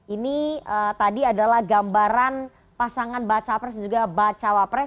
ini tadi adalah gambaran pasangan bakal capres dan juga bakal capres